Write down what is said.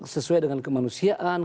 sesuai dengan kemanusiaan